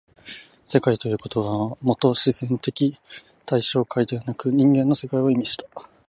「世界」という言葉はもと自然的対象界でなく人間の世界を意味した。